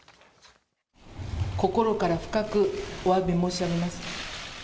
心から深くおわび申し上げます。